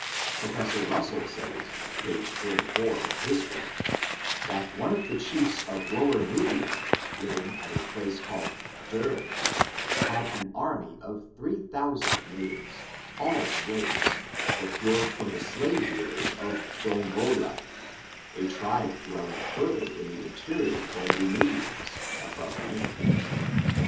Professor Russell says, p. 44, of his work, that one of the chiefs of lower Nubia, liv ing at a place called Derr, had an army of three thous and natives, all slaves, procured from the slave deal ers of Dongola, a tribe dwelling further in the inte rior than the Nubians, above named.